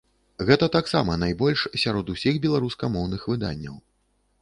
Гэта таксама найбольш сярод усіх беларускамоўных выданняў.